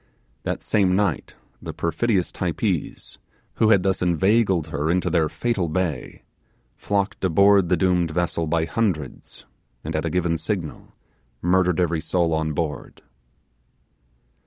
That same night the perfidious Typees, who had thus inveigled her into their fatal bay, flocked aboard the doomed vessel by hundreds, and at a given signal murdered every soul on board.